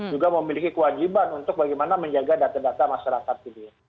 juga memiliki kewajiban untuk bagaimana menjaga data data masyarakat gitu ya